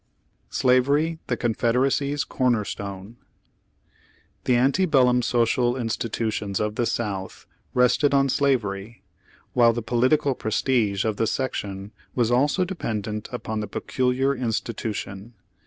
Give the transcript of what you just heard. SLAVERY THE CONFEDERACY'S CORNER STONE The anti bellum social institutions of the South rested on slavery, while the political prestige of the section was also dependent upon the "peculiar institution."